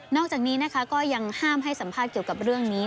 จากนี้นะคะก็ยังห้ามให้สัมภาษณ์เกี่ยวกับเรื่องนี้